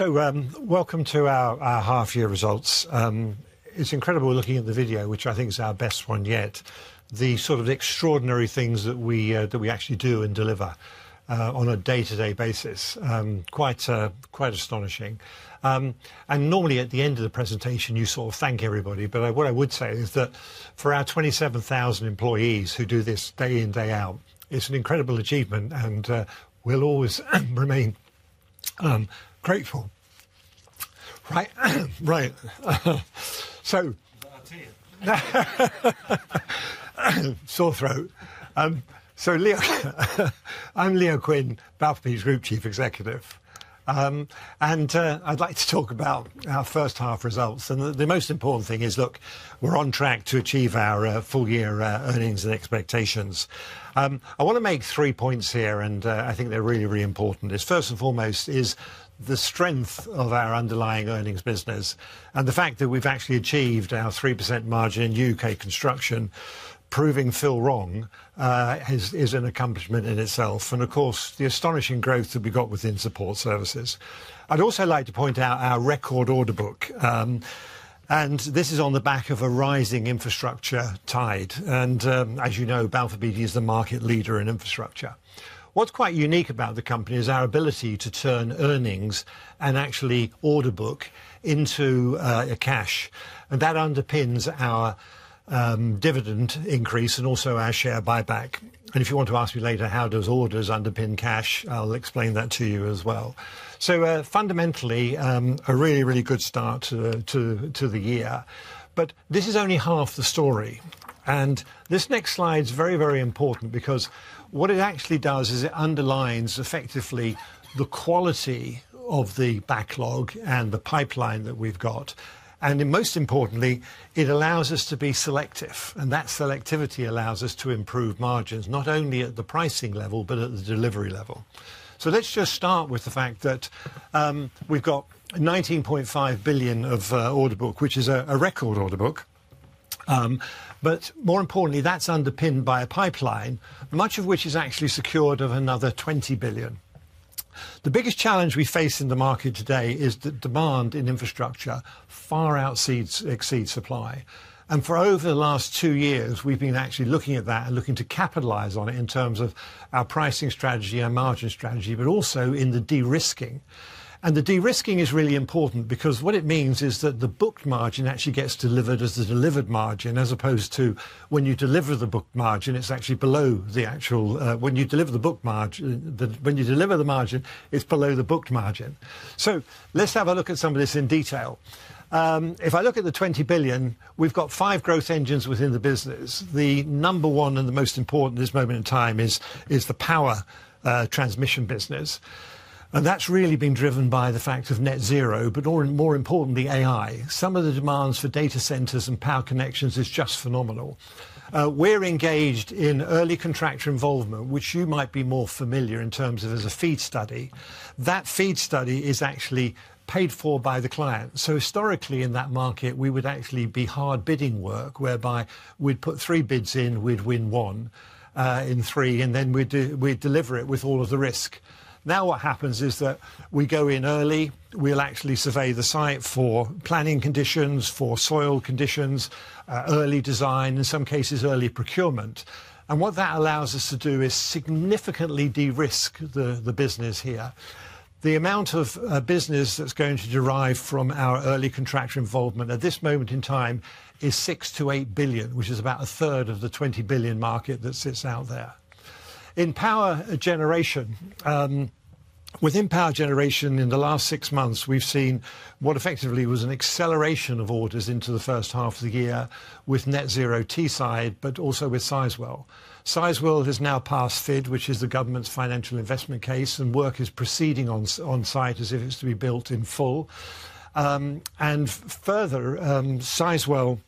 Welcome to our Half-Year Results. It's incredible looking at the video, which I think is our best one yet. The sort of extraordinary things that we actually do and deliver on a day-to-day basis are quite astonishing. Normally at the end of the presentation, you saw, "Thank everybody." What I would say is that for our 27,000 employees who do this day in, day out, it's an incredible achievement and we'll always remain grateful. Right. Sore throat. I'm Leo Quinn, Balfour Beatty's Group Chief Executive, and I'd like to talk about our first half results. The most important thing is, look, we're on track to achieve our full-year earnings and expectations. I want to make three points here, and I think they're really, really important. First and foremost is the strength of our underlying earnings business and the fact that we've actually achieved our 3% margin in U.K. construction. Proving Phil wrong is an accomplishment in itself. Of course, the astonishing growth that we got within support services. I'd also like to point out our record order book, and this is on the back of a rising infrastructure tide. As you know, Balfour Beatty is the market leader in infrastructure. What's quite unique about the company is our ability to turn earnings and actually order book into cash. That underpins our dividend increase and also our share buyback. If you want to ask me later how orders underpin cash, I'll explain that to you as well. Fundamentally, a really, really good start to the year. This is only half the story. This next slide is very, very important because what it actually does is it underlines effectively the quality of the backlog and the pipeline that we've got. Most importantly, it allows us to be selective. That selectivity allows us to improve margins, not only at the pricing level, but at the delivery level. Let's just start with the fact that we've got 19.5 billion of order book, which is a record order book. More importantly, that's underpinned by a pipeline, much of which is actually secured, of another 20 billion. The biggest challenge we face in the market today is that demand in infrastructure far out exceeds supply. For over the last two years, we've been actually looking at that and looking to capitalize on it in terms of our pricing strategy, our margin strategy, but also in the de-risking. The de-risking is really important because what it means is that the booked margin actually gets delivered as the delivered margin, as opposed to when you deliver the booked margin, it's actually below the actual, when you deliver the booked margin, when you deliver the margin, it's below the booked margin. Let's have a look at some of this in detail. If I look at the 20 billion, we've got five growth engines within the business. The number one and the most important at this moment in time is the power transmission business. That's really been driven by the fact of net zero, but more importantly, AI. Some of the demands for data centers and power connections are just phenomenal. We're engaged in early contractor involvement, which you might be more familiar with in terms of as a FEED study. That FEED study is actually paid for by the client. Historically, in that market, we would actually be hard bidding work, whereby we'd put three bids in, we'd win one in three, and then we'd deliver it with all of the risk. Now what happens is that we go in early, we'll actually survey the site for planning conditions, for soil conditions, early design, in some cases, early procurement. What that allows us to do is significantly de-risk the business here. The amount of business that's going to derive from our early contractor involvement at this moment in time is 6 billion-8 billion, which is about 1/3 of the 20 billion market that sits out there. In power generation, within power generation, in the last six months, we've seen what effectively was an acceleration of orders into the first half of the year with net zero T-side, but also with Sizewell. Sizewell has now passed FID, which is the government's financial investment case, and work is proceeding on site as if it's to be built in full. Further, Sizewell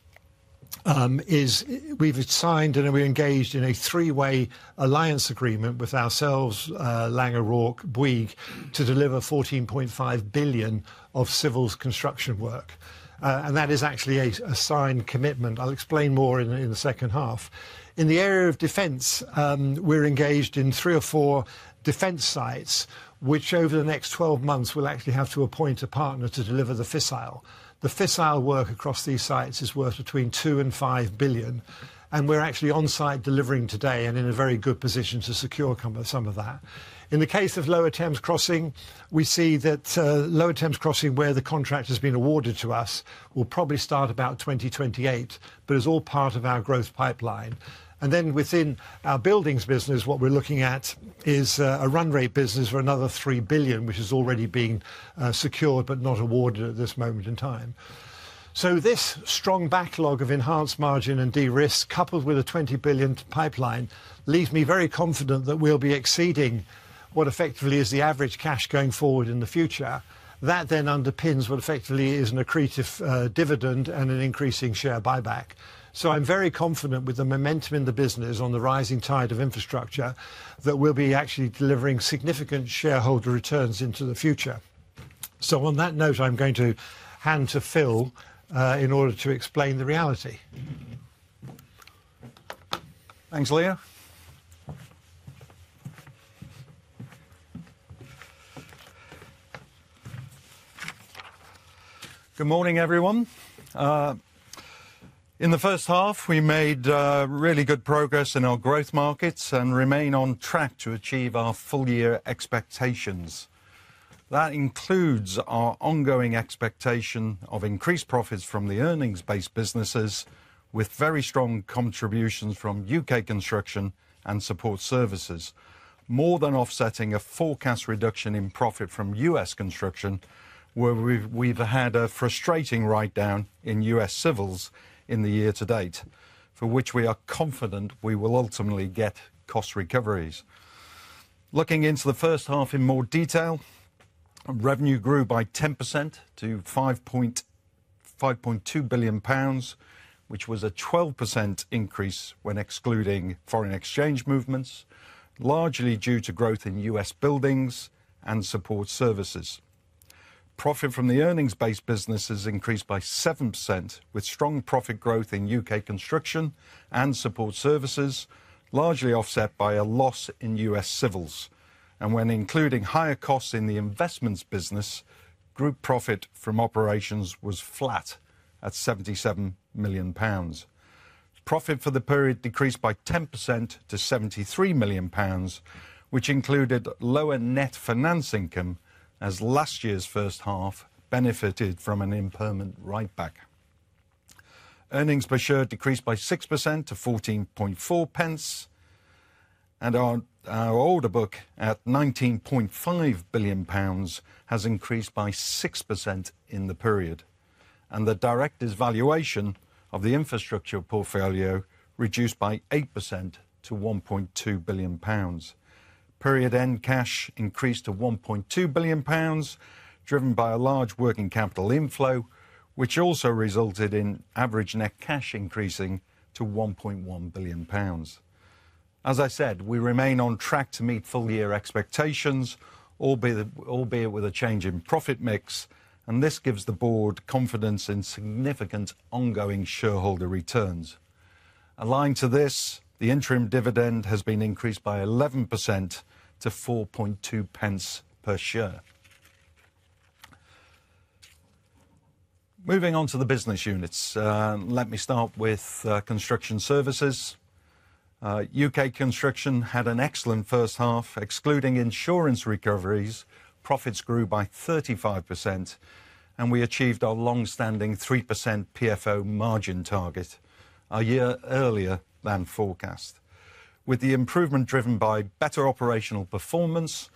is, we've signed and we're engaged in a three-way alliance agreement with ourselves, Laing O’Rourke, Bouygues, to deliver 14.5 billion of civils construction work. That is actually a signed commitment. I'll explain more in the second half. In the area of defense, we're engaged in three or four defense sites, which over the next 12 months will actually have to appoint a partner to deliver the fissile. The fissile work across these sites is worth between 2 billion and 5 billion. We're actually on site delivering today and in a very good position to secure some of that. In the case of Lower Thames Crossing, we see that Lower Thames Crossing, where the contract has been awarded to us, will probably start about 2028. It's all part of our growth pipeline. Within our buildings business, what we're looking at is a run rate business for another 3 billion, which is already being secured but not awarded at this moment in time. This strong backlog of enhanced margin and de-risked contracts, coupled with a 20 billion pipeline, leaves me very confident that we'll be exceeding what effectively is the average cash going forward in the future. That underpins what effectively is an accretive dividend and an increasing share buyback. I'm very confident with the momentum in the business on the rising tide of infrastructure that we'll be actually delivering significant shareholder returns into the future. On that note, I'm going to hand to Phil in order to explain the reality. Thanks, Leo. Good morning, everyone. In the first half, we made really good progress in our growth markets and remain on track to achieve our full-year expectations. That includes our ongoing expectation of increased profits from the earnings-based businesses with very strong contributions from U.K. construction and support services, more than offsetting a forecast reduction in profit from U.S. construction, where we've had a frustrating write-down in U.S. civils in the year to date, for which we are confident we will ultimately get cost recoveries. Looking into the first half in more detail, revenue grew by 10% to 5.2 billion pounds, which was a 12% increase when excluding FX movements, largely due to growth in U.S. buildings and support services. Profit from the earnings-based businesses increased by 7% with strong profit growth in U.K. construction and support services, largely offset by a loss in U.S. civils. When including higher costs in the investments business, group profit from operations was flat at 77 million pounds. Profit for the period decreased by 10% to 73 million pounds, which included lower net finance income, as last year's first half benefited from an impairment write-back. Earnings per share decreased by 6% to 0.144, and our order book at 19.5 billion pounds has increased by 6% in the period. The director's valuation of the infrastructure investments portfolio reduced by 8% to 1.2 billion pounds. Period end cash increased to 1.2 billion pounds, driven by a large working capital inflow, which also resulted in average net cash increasing to 1.1 billion pounds. As I said, we remain on track to meet full-year expectations, albeit with a change in profit mix, and this gives the Board confidence in significant ongoing shareholder returns. Aligned to this, the interim dividend has been increased by 11% to GBP 0.042 per share. Moving on to the business units, let me start with construction services. U.K. construction had an excellent first half, excluding insurance recoveries. Profits grew by 35%, and we achieved our long-standing 3% PFO margin target a year earlier than forecast, with the improvement driven by better operational performance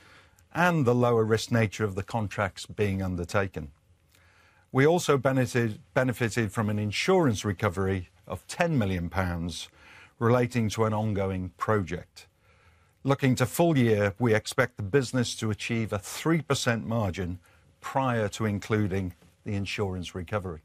and the lower risk nature of the contracts being undertaken. We also benefited from an insurance recovery of 10 million pounds relating to an ongoing project. Looking to full year, we expect the business to achieve a 3% margin prior to including the insurance recovery.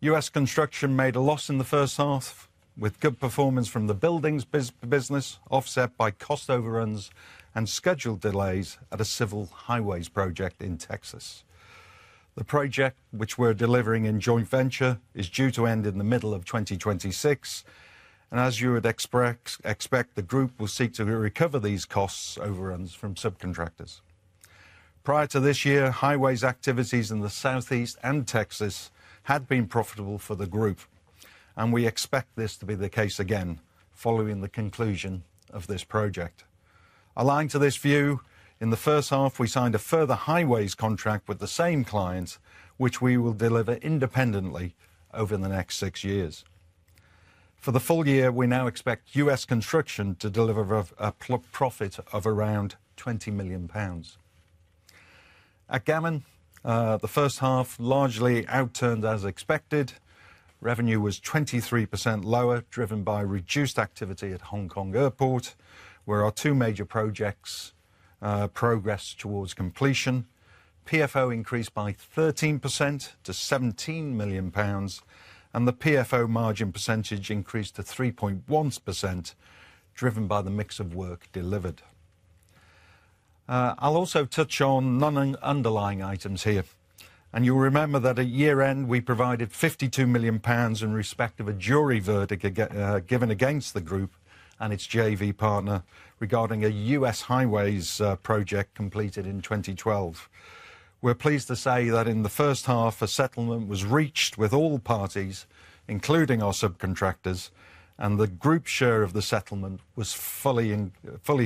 U.S. construction made a loss in the first half, with good performance from the buildings business offset by cost overruns and scheduled delays at a civil highways project in Texas. The project, which we're delivering in joint venture, is due to end in the middle of 2026. As you would expect, the group will seek to recover these cost overruns from subcontractors. Prior to this year, highways activities in the Southeast and Texas had been profitable for the group, and we expect this to be the case again following the conclusion of this project. Aligned to this view, in the first half, we signed a further highways contract with the same clients, which we will deliver independently over the next six years. For the full year, we now expect U.S. construction to deliver a profit of around 20 million pounds. At Gammon, the first half largely outturned as expected. Revenue was 23% lower, driven by reduced activity at Hong Kong Airport, where our two major projects progressed towards completion. PFO increased by 13% to 17 million pounds, and the PFO margin percentage increased to 3.1%, driven by the mix of work delivered. I'll also touch on non-underlying items here. You'll remember that at year end, we provided 52 million pounds in respect of a jury verdict given against the group and its JV partner regarding a U.S. highways project completed in 2012. We're pleased to say that in the first half, a settlement was reached with all parties, including our subcontractors, and the group share of the settlement was fully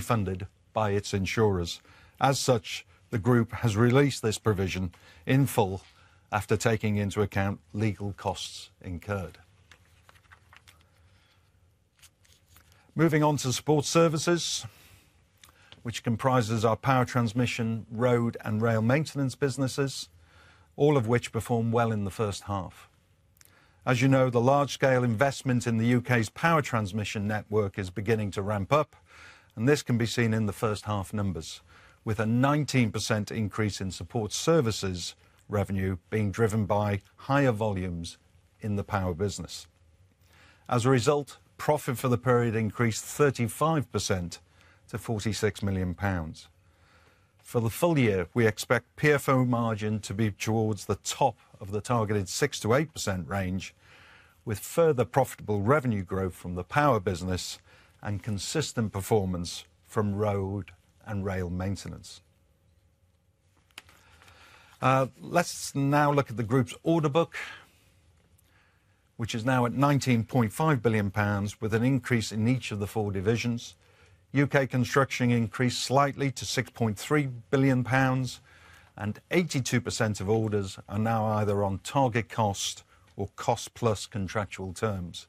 funded by its insurers. As such, the group has released this provision in full after taking into account legal costs incurred. Moving on to support services, which comprises our power transmission, road, and rail maintenance businesses, all of which performed well in the first half. As you know, the large-scale investment in the U.K.'s power transmission network is beginning to ramp up, and this can be seen in the first half numbers, with a 19% increase in support services revenue being driven by higher volumes in the power business. As a result, profit for the period increased 35% to 46 million pounds. For the full year, we expect PFO margin to be towards the top of the targeted 6%-8% range, with further profitable revenue growth from the power business and consistent performance from road and rail maintenance. Let's now look at the group's order book, which is now at 19.5 billion pounds, with an increase in each of the four divisions. U.K. construction increased slightly to 6.3 billion pounds, and 82% of orders are now either on target cost or cost plus contractual terms.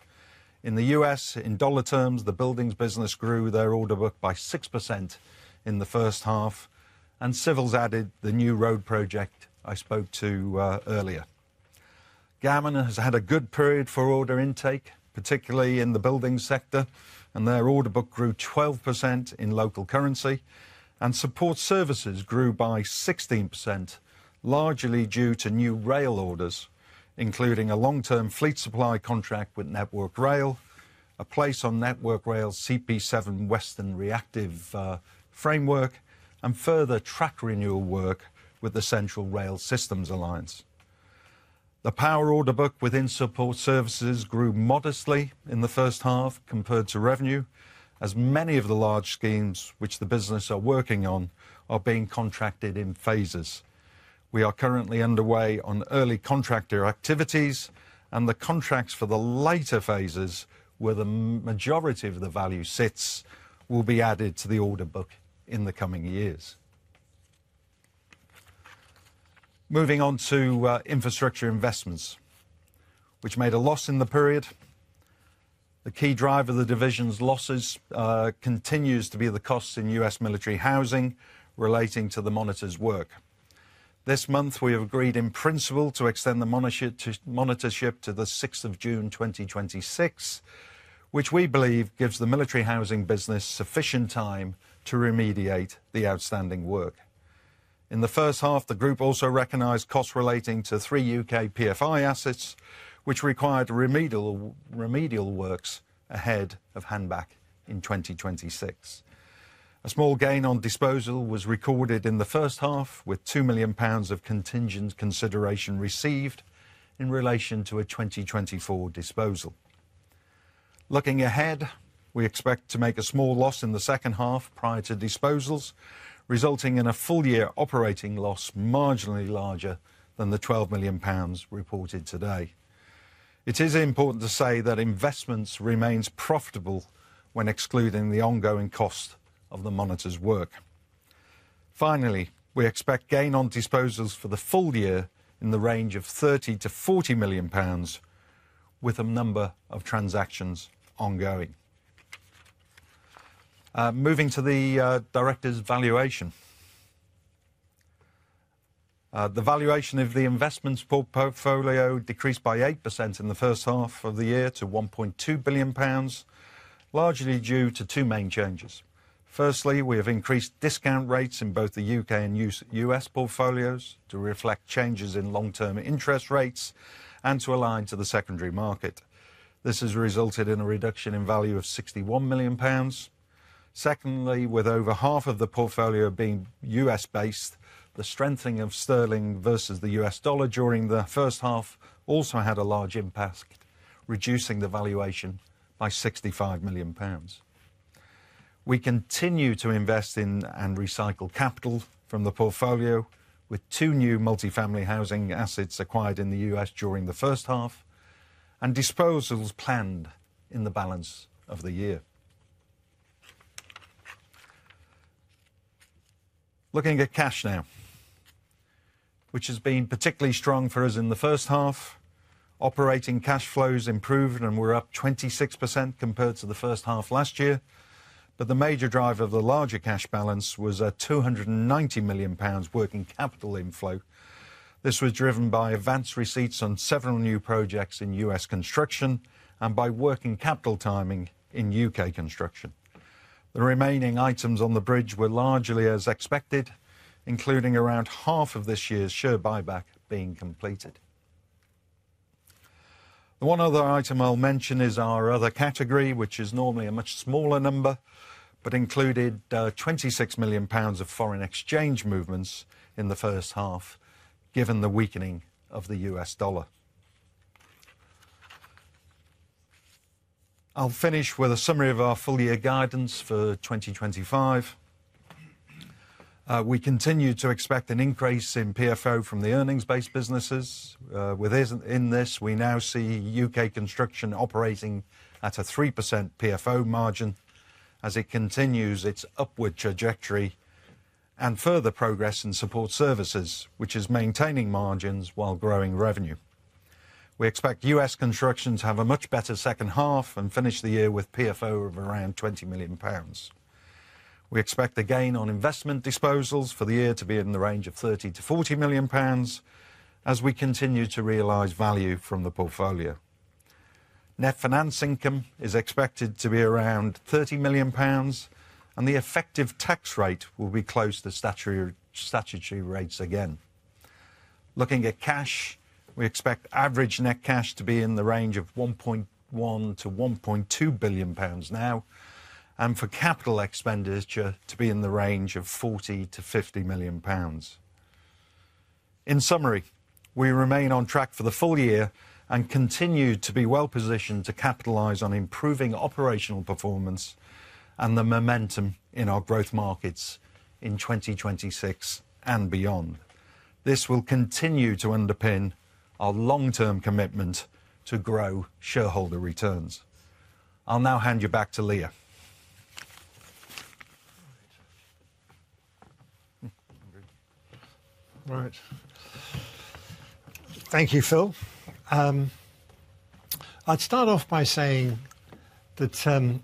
In the U.S., in dollar terms, the buildings business grew their order book by 6% in the first half, and civils added the new road project I spoke to earlier. Gammon has had a good period for order intake, particularly in the buildings sector, and their order book grew 12% in local currency, and support services grew by 16%, largely due to new rail orders, including a long-term fleet supply contract with Network Rail, a place on Network Rail's CP7 Western Reactive framework, and further track renewal work with the Central Rail Systems Alliance. The power order book within support services grew modestly in the first half compared to revenue, as many of the large schemes which the business are working on are being contracted in phases. We are currently underway on early contractor activities, and the contracts for the later phases, where the majority of the value sits, will be added to the order book in the coming years. Moving on to infrastructure investments, which made a loss in the period. The key driver of the division's losses continues to be the costs in U.S. military housing relating to the monitor's work. This month, we have agreed in principle to extend the monitorship to the 6th of June 2026, which we believe gives the military housing business sufficient time to remediate the outstanding work. In the first half, the group also recognized costs relating to three U.K. PFI assets, which required remedial works ahead of handback in 2026. A small gain on disposal was recorded in the first half, with 2 million pounds of contingent consideration received in relation to a 2024 disposal. Looking ahead, we expect to make a small loss in the second half prior to disposals, resulting in a full-year operating loss marginally larger than the 12 million pounds reported today. It is important to say that investments remain profitable when excluding the ongoing cost of the monitor's work. Finally, we expect gain on disposals for the full year in the range of 30 million-40 million pounds, with a number of transactions ongoing. Moving to the director's valuation. The valuation of the investments portfolio decreased by 8% in the first half of the year to 1.2 billion pounds, largely due to two main changes. Firstly, we have increased discount rates in both the U.K. and U.S. portfolios to reflect changes in long-term interest rates and to align to the secondary market. This has resulted in a reduction in value of 61 million pounds. Secondly, with over half of the portfolio being U.S.-based, the strengthening of sterling versus the U.S. dollar during the first half also had a large impact, reducing the valuation by 65 million pounds. We continue to invest in and recycle capital from the portfolio, with two new multifamily housing assets acquired in the U.S. during the first half and disposals planned in the balance of the year. Looking at cash now, which has been particularly strong for us in the first half. Operating cash flows improved, and we're up 26% compared to the first half last year. The major driver of the larger cash balance was a 290 million pounds working capital inflow. This was driven by advanced receipts on several new projects in U.S. construction and by working capital timing in U.K. construction. The remaining items on the bridge were largely as expected, including around half of this year's share buyback being completed. The one other item I'll mention is our other category, which is normally a much smaller number, but included 26 million pounds of FX movements in the first half, given the weakening of the U.S. dollar. I'll finish with a summary of our full-year guidance for 2025. We continue to expect an increase in PFO from the earnings-based businesses. Within this, we now see U.K. construction operating at a 3% PFO margin as it continues its upward trajectory and further progress in support services, which is maintaining margins while growing revenue. We expect U.S. construction to have a much better second half and finish the year with PFO of around 20 million pounds. We expect a gain on investment disposals for the year to be in the range of 30 million-40 million pounds as we continue to realize value from the portfolio. Net finance income is expected to be around 30 million pounds, and the effective tax rate will be close to statutory rates again. Looking at cash, we expect average net cash to be in the range of 1.1 billion-1.2 billion pounds now, and for capital expenditure to be in the range of 40 million-50 million pounds. In summary, we remain on track for the full year and continue to be well-positioned to capitalize on improving operational performance and the momentum in our growth markets in 2026 and beyond. This will continue to underpin our long-term commitment to grow shareholder returns. I'll now hand you back to Leo. Right. Thank you, Phil. I'd start off by saying that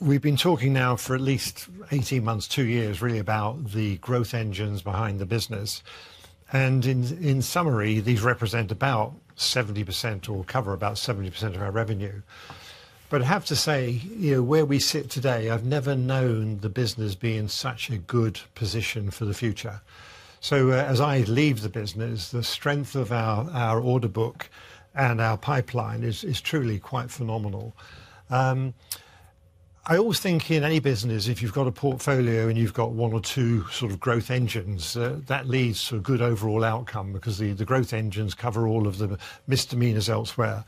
we've been talking now for at least 18 months, two years, really about the growth engines behind the business. In summary, these represent about 70% or cover about 70% of our revenue. I have to say, you know, where we sit today, I've never known the business be in such a good position for the future. As I leave the business, the strength of our order book and our pipeline is truly quite phenomenal. I always think in any business, if you've got a portfolio and you've got one or two sort of growth engines, that leads to a good overall outcome because the growth engines cover all of the misdemeanors elsewhere.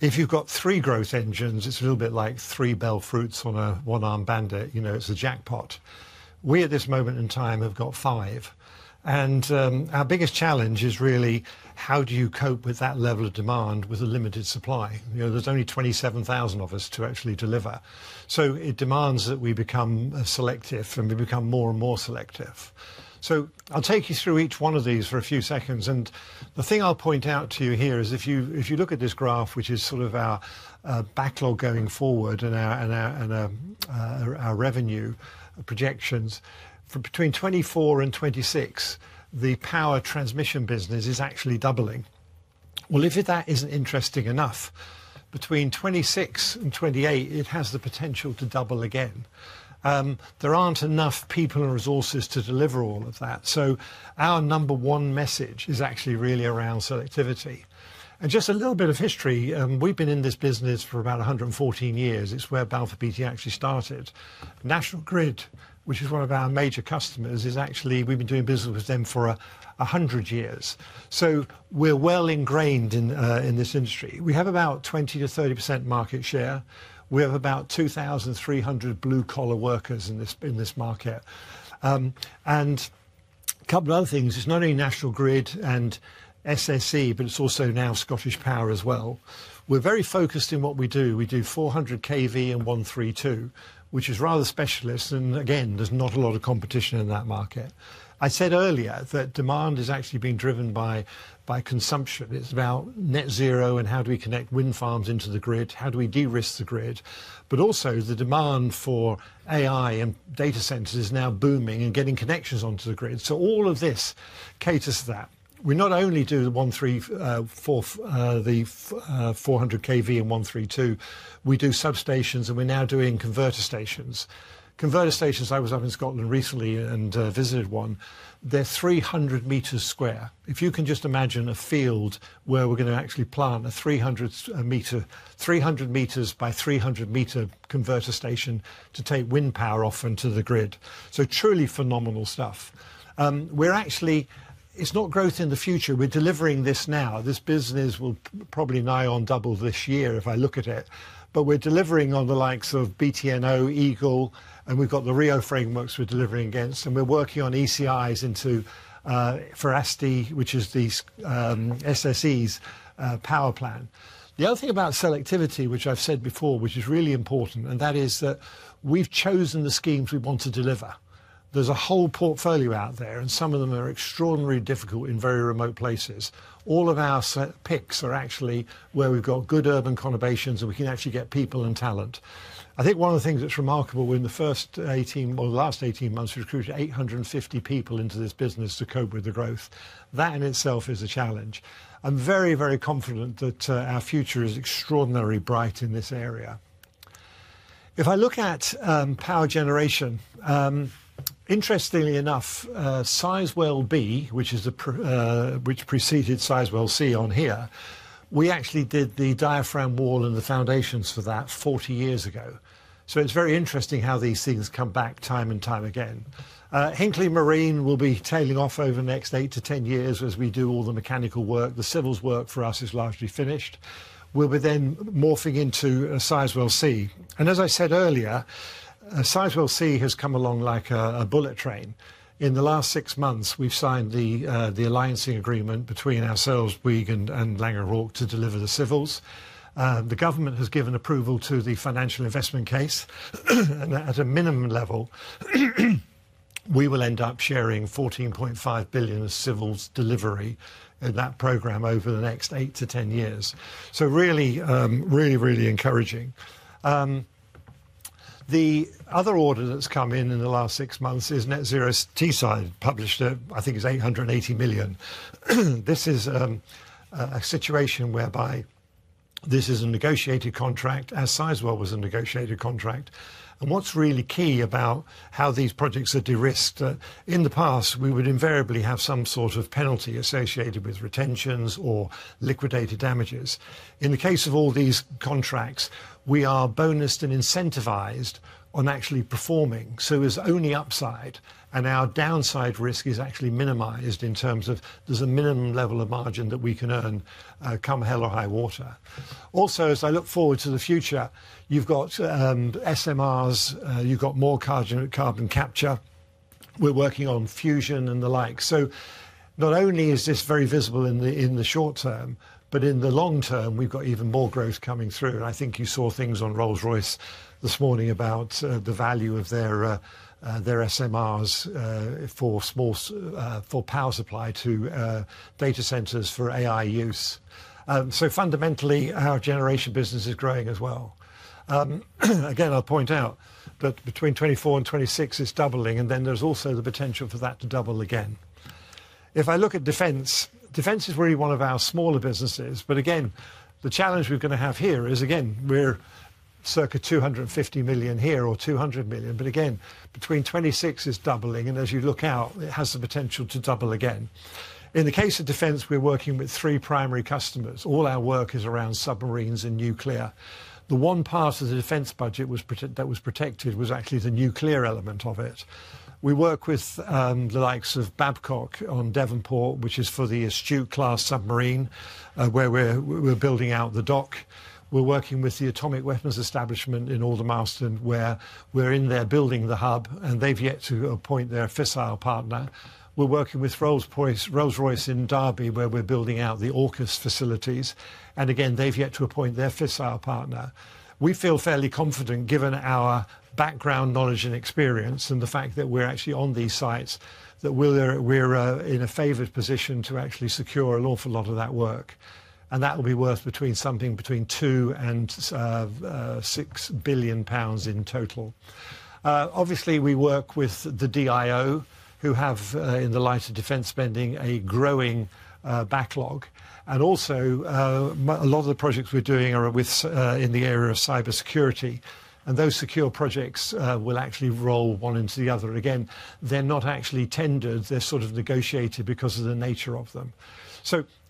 If you've got three growth engines, it's a little bit like three Bellfruits on a one-armed bandit. You know, it's a jackpot. We at this moment in time have got five. Our biggest challenge is really how do you cope with that level of demand with a limited supply? You know, there's only 27,000 of us to actually deliver. It demands that we become selective and we become more and more selective. I'll take you through each one of these for a few seconds. The thing I'll point out to you here is if you look at this graph, which is sort of our backlog going forward and our revenue projections, between 2024 and 2026, the power transmission business is actually doubling. If that isn't interesting enough, between 2026 and 2028, it has the potential to double again. There aren't enough people and resources to deliver all of that. Our number one message is actually really around selectivity. Just a little bit of history, we've been in this business for about 114 years. It's where Balfour Beatty actually started. National Grid, which is one of our major customers, is actually, we've been doing business with them for 100 years. We're well ingrained in this industry. We have about 20%-30% market share. We have about 2,300 blue-collar workers in this market. A couple of other things, it's not only National Grid and SSE, but it's also now Scottish Power as well. We're very focused in what we do. We do 400 kV and 132, which is rather specialist. Again, there's not a lot of competition in that market. I said earlier that demand is actually being driven by consumption. It's about net zero and how do we connect wind farms into the grid? How do we de-risk the grid? Also, the demand for AI-related demand and data centers is now booming and getting connections onto the grid. All of this caters to that. We not only do the 400 kV and 132, we do substations, and we're now doing converter stations. Converter stations, I was up in Scotland recently and visited one. They're 300 m sq. If you can just imagine a field where we're going to actually plant a 300 m by 300 m converter station to take wind power off into the grid. Truly phenomenal stuff. It's not growth in the future. We're delivering this now. This business will probably nigh on double this year if I look at it. We're delivering on the likes of BTNO, Eagle, and we've got the Rio frameworks we're delivering against. We're working on early contractor involvement into for SD, which is the SSE's power plan. The other thing about selectivity, which I've said before, which is really important, is that we've chosen the schemes we want to deliver. There's a whole portfolio out there, and some of them are extraordinarily difficult in very remote places. All of our picks are actually where we've got good urban conurbations and we can actually get people and talent. One of the things that's remarkable, in the last 18 months we recruited 850 people into this business to cope with the growth. That in itself is a challenge. I'm very, very confident that our future is extraordinarily bright in this area. If I look at power generation, interestingly enough, Sizewell B, which preceded Sizewell C on here, we actually did the diaphragm wall and the foundations for that 40 years ago. It's very interesting how these things come back time and time again. Hinkley Marine will be tailing off over the next 8 to 10 years as we do all the mechanical work. The civils work for us is largely finished. We'll be then morphing into a Sizewell C. As I said earlier, Sizewell C has come along like a bullet train. In the last six months, we've signed the alliancing agreement between ourselves, Bouygues, and Laing O’Rourke to deliver the civils. The government has given approval to the financial investment case. At a minimum level, we will end up sharing 14.5 billion of civils delivery in that program over the next 8-10 years. Really, really, really encouraging. The other order that's come in in the last six months is Net Zero Teesside, published at, I think it's 880 million. This is a situation whereby this is a negotiated contract as Sizewell was a negotiated contract. What's really key about how these projects are de-risked? In the past, we would invariably have some sort of penalty associated with retentions or liquidated damages. In the case of all these contracts, we are bonused and incentivized on actually performing. There's only upside, and our downside risk is actually minimized in terms of there's a minimum level of margin that we can earn come hell or high water. Also, as I look forward to the future, you've got SMRs, you've got more carbon capture. We're working on fusion and the like. Not only is this very visible in the short term, but in the long term, we've got even more growth coming through. I think you saw things on Rolls-Royce this morning about the value of their SMRs for power supply to data centers for AI use. Fundamentally, our generation business is growing as well. I'll point out that between 2024 and 2026 is doubling, and there's also the potential for that to double again. If I look at defense, defense is really one of our smaller businesses. The challenge we're going to have here is, again, we're circa 250 million here or 200 million. Again, between 2026 is doubling, and as you look out, it has the potential to double again. In the case of defense, we're working with three primary customers. All our work is around submarines and nuclear. The one part of the defense budget that was protected was actually the nuclear element of it. We work with the likes of Babcock on Devonport, which is for the Astute class submarine, where we're building out the dock. We're working with the Atomic Weapons Establishment in Aldermaston, where we're in there building the hub, and they've yet to appoint their fissile partner. We're working with Rolls-Royce in Derby, where we're building out the AUKUS facilities. Again, they've yet to appoint their fissile partner. We feel fairly confident, given our background knowledge and experience and the fact that we're actually on these sites, that we're in a favored position to actually secure an awful lot of that work. That will be worth something between 2 billion and 6 billion pounds in total. Obviously, we work with the DIO, who have, in the light of defense spending, a growing backlog. Also, a lot of the projects we're doing are in the area of cybersecurity. Those secure projects will actually roll one into the other. They're not actually tendered. They're sort of negotiated because of the nature of them.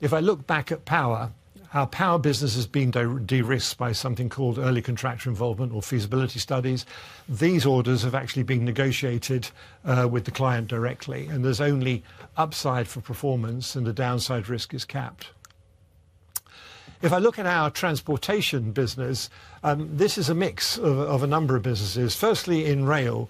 If I look back at power, our power business has been de-risked by something called early contractor involvement or feasibility studies. These orders have actually been negotiated with the client directly. There's only upside for performance, and the downside risk is capped. If I look at our transportation business, this is a mix of a number of businesses. Firstly, in rail,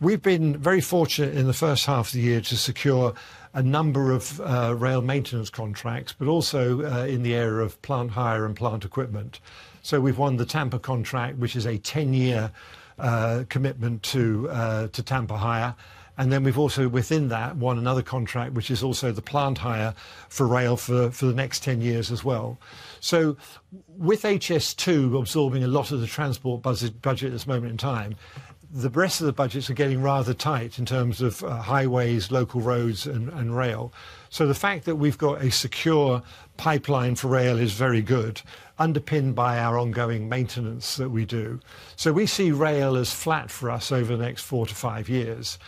we've been very fortunate in the first half of the year to secure a number of rail maintenance contracts, but also in the area of plant hire and plant equipment. We've won the Tampa contract, which is a 10-year commitment to Tampa hire. We've also, within that, won another contract, which is also the plant hire for rail for the next 10 years as well. With HS2 absorbing a lot of the transport budget at this moment in time, the rest of the budgets are getting rather tight in terms of highways, local roads, and rail. The fact that we've got a secure pipeline for rail is very good, underpinned by our ongoing maintenance that we do. We see rail as flat for us over the next four to five years.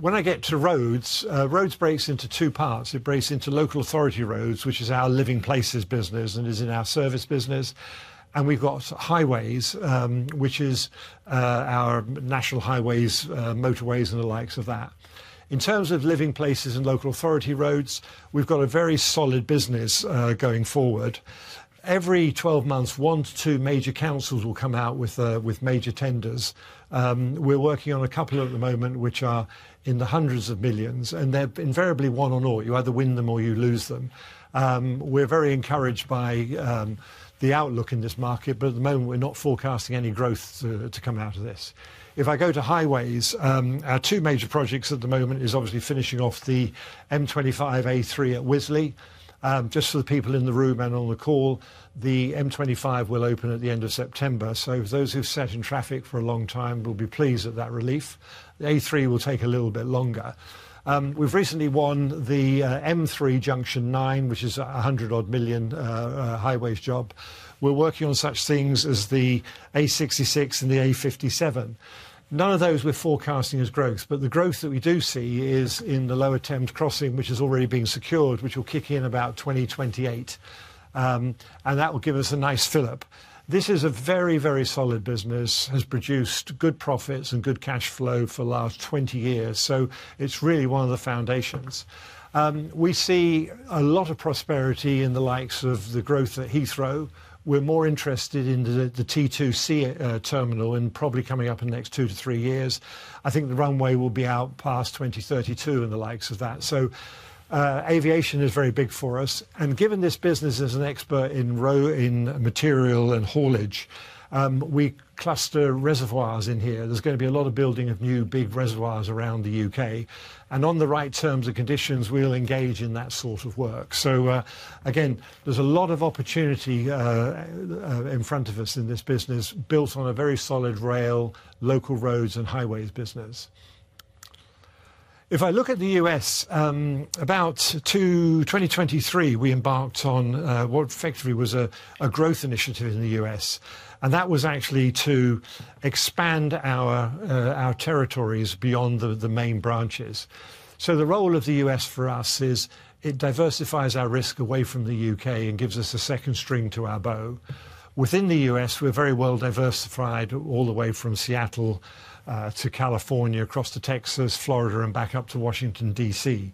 When I get to roads, roads break into two parts. It breaks into local authority roads, which is our Living Places business and is in our service business. We've got highways, which is our national highways, motorways, and the likes of that. In terms of Living Places and local authority roads, we've got a very solid business going forward. Every 12 months, one to two major councils will come out with major tenders. We're working on a couple at the moment, which are in the hundreds of millions, and they're invariably one on all. You either win them or you lose them. We're very encouraged by the outlook in this market, but at the moment, we're not forecasting any growth to come out of this. If I go to highways, our two major projects at the moment are obviously finishing off the M25 A3 at Wisley. Just for the people in the room and on the call, the M25 will open at the end of September. Those who've sat in traffic for a long time will be pleased at that relief. The A3 will take a little bit longer. We've recently won the M3 Junction 9, which is a hundred-odd million highways job. We're working on such things as the A66 and the A57. None of those we're forecasting as growth, but the growth that we do see is in the Lower Thames Crossing, which has already been secured, which will kick in about 2028. That will give us a nice fill-up. This is a very, very solid business, has produced good profits and good cash flow for the last 20 years. It's really one of the foundations. We see a lot of prosperity in the likes of the growth at Heathrow. We're more interested in the T2C terminal and probably coming up in the next two to three years. I think the runway will be out past 2032 and the likes of that. Aviation is very big for us. Given this business is an expert in raw material and haulage, we cluster reservoirs in here. There's going to be a lot of building of new big reservoirs around the U.K. On the right terms and conditions, we'll engage in that sort of work. There's a lot of opportunity in front of us in this business built on a very solid rail, local roads, and highways business. If I look at the US, about 2023, we embarked on what effectively was a growth initiative in the US. That was actually to expand our territories beyond the main branches. The role of the US for us is it diversifies our risk away from the U.K. and gives us a second string to our bow. Within the US, we're very well diversified all the way from Seattle to California, across to Texas, Florida, and back up to Washington, DC.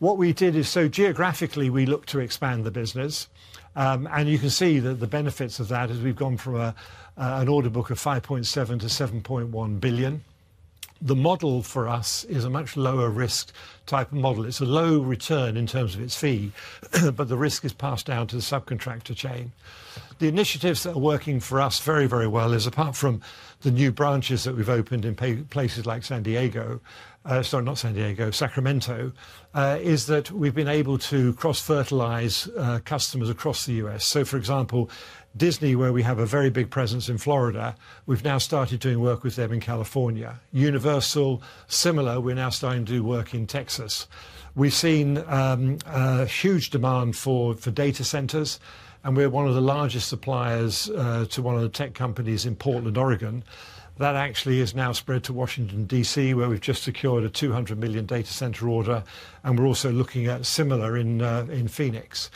What we did is, so geographically, we look to expand the business. You can see that the benefits of that is we've gone from an order book of $5.7 billion to $7.1 billion. The model for us is a much lower risk type of model. It's a low return in terms of its fee, but the risk is passed down to the subcontractor chain. The initiatives that are working for us very, very well is, apart from the new branches that we've opened in places like Sacramento, is that we've been able to cross-fertilize customers across the U.S. For example, Disney, where we have a very big presence in Florida, we've now started doing work with them in California. Universal, similar, we're now starting to do work in Texas. We've seen huge demand for data centers, and we're one of the largest suppliers to one of the tech companies in Portland, Oregon. That actually is now spread to Washington, DC, where we've just secured a $200 million data center order, and we're also looking at similar in Phoenix.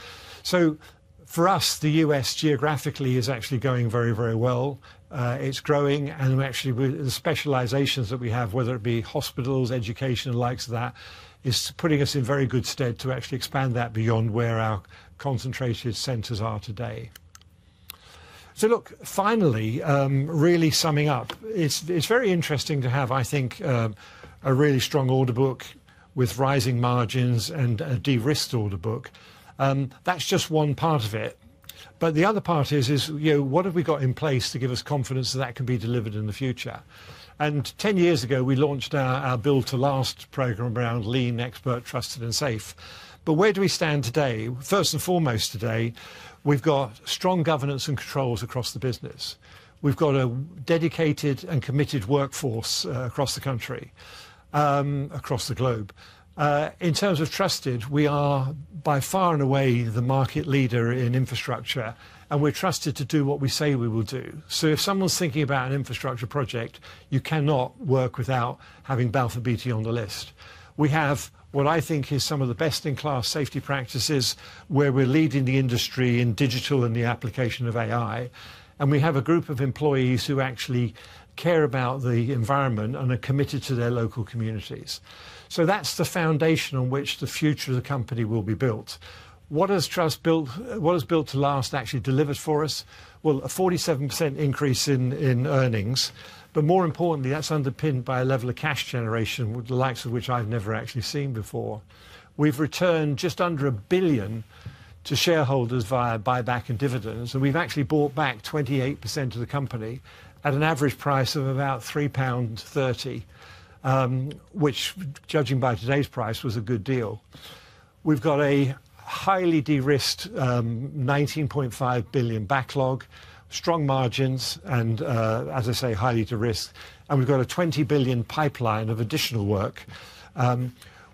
For us, the U.S. geographically is actually going very, very well. It's growing, and actually, the specializations that we have, whether it be hospitals, education, and the likes of that, is putting us in very good stead to actually expand that beyond where our concentrated centers are today. Finally, really summing up, it's very interesting to have, I think, a really strong order book with rising margins and a de-risked order book. That's just one part of it. The other part is, you know, what have we got in place to give us confidence that that can be delivered in the future? Ten years ago, we launched our Build to Last program around lean, expert, trusted, and safe. Where do we stand today? First and foremost today, we've got strong governance and controls across the business. We've got a dedicated and committed workforce across the country, across the globe. In terms of trusted, we are by far and away the market leader in infrastructure, and we're trusted to do what we say we will do. If someone's thinking about an infrastructure project, you cannot work without having Balfour Beatty on the list. We have what I think is some of the best-in-class safety practices where we're leading the industry in digital and the application of AI. We have a group of employees who actually care about the environment and are committed to their local communities. That's the foundation on which the future of the company will be built. What has Trust Built to Last actually delivered for us? A 47% increase in earnings, but more importantly, that's underpinned by a level of cash generation, with the likes of which I've never actually seen before. We've returned just under 1 billion to shareholders via buyback and dividends, and we've actually bought back 28% of the company at an average price of about 3.30 pounds, which, judging by today's price, was a good deal. We've got a highly de-risked 19.5 billion backlog, strong margins, and as I say, highly de-risked. We've got a 20 billion pipeline of additional work,